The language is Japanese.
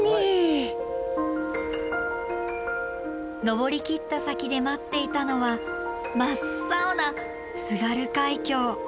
登りきった先で待っていたのは真っ青な津軽海峡。